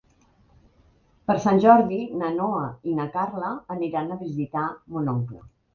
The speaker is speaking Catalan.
Per Sant Jordi na Noa i na Carla aniran a visitar mon oncle.